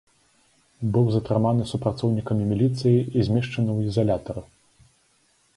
Быў затрыман супрацоўніламі міліцыі і змясчоны ў ізалятар.